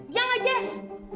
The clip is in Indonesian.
ya ga jess